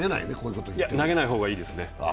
投げない方がいいですね。